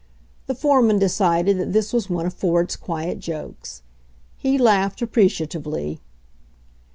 The foreman decided that this was one of Ford's quiet jokes. He laughed ap preciatively.